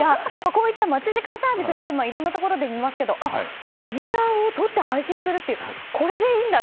こういった待ち時間サービスって今いろんなところで見ますけどモニターをとって配信するってこれでいいんだ。